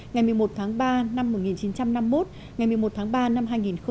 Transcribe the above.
ngày một mươi một tháng ba năm một nghìn chín trăm năm mươi một ngày một mươi một tháng ba năm hai nghìn hai mươi